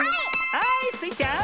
はいスイちゃん。